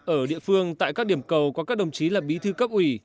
ở địa phương tại các điểm cầu có các đồng chí là bí thư cấp ủy